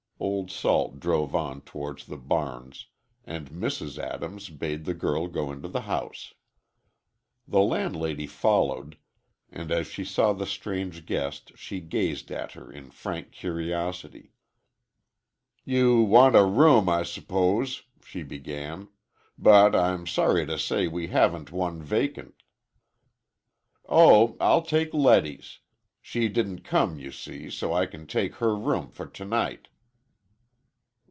Old Salt drove on toward the barns, and Mrs. Adams bade the girl go into the house. The landlady followed, and as she saw the strange guest she gazed at her in frank curiosity. "You want a room, I s'pose," she began. "But, I'm sorry to say we haven't one vacant—" "Oh, I'll take Letty's. She didn't come, you see, so I can take her room for tonight."